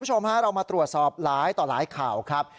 คุณผู้ชมฮะเรามาตรวจสอบหลายต่อหลายข่าวครับ